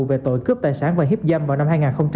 về tội cướp tài sản và hiếp giam vào năm hai nghìn một mươi sáu